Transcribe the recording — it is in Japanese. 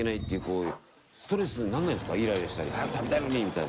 みたいな。